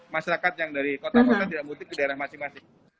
masyarakat yang dari kota kota tidak mudik ke daerah masing masing